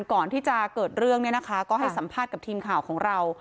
ก่อนที่จะเกิดเรื่องเนี่ยนะคะก็ให้สัมภาษณ์กับทีมข่าวของเรา